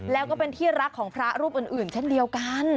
แล้วก็เป็นที่รักของพระรูปอื่นเช่นเดียวกัน